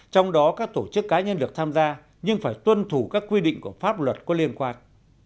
trong đó các tổ chức cá nhân được tham gia nhưng phải tuân thủ các quy định của pháp luật có liên quan